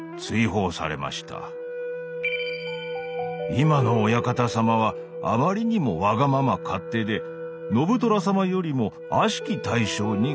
「今のお館様はあまりにもわがまま勝手で信虎様よりも悪しき大将にございます」。